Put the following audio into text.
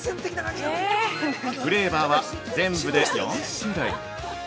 フレーバーは全部で４種類。